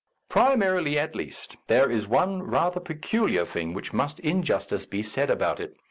Primarily, at least, there is one rather peculiar thing which must in justice be said about it.